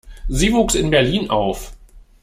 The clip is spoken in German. Sie wuchs in Berlin auf.